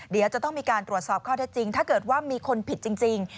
เดี๋ยวจะต้องมีการตรวจสอบข้อเท็จจริงถ้าเกิดว่ามีคนผิดจริง